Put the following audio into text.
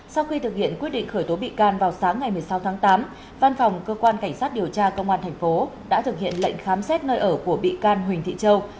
sau khi thực hiện quyết định khởi tố bị can vào sáng ngày một mươi sáu tháng tám văn phòng cơ quan cảnh sát điều tra công an thành phố đã thực hiện lệnh khám xét nơi ở của bị can huỳnh thị châu